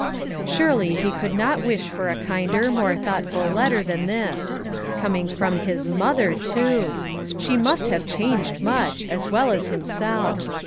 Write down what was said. Surely he could not wish for a kinder, more thoughtful letter than this; coming from his mother, too! she must have changed much, as well as himself.